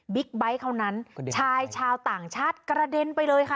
ไบท์เขานั้นชายชาวต่างชาติกระเด็นไปเลยค่ะ